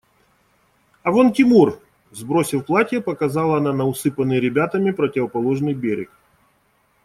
А вон Тимур! – сбросив платье, показала она на усыпанный ребятами противоположный берег.